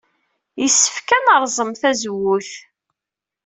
Yessefk ad nerẓem tazewwut.